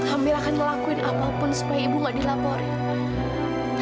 hamil akan ngelakuin apapun supaya ibu gak dilaporin